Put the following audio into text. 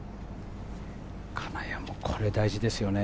金谷もこれ大事ですよね。